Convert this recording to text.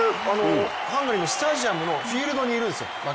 ハンガリーのスタジアムのフィールドにいるんですよ。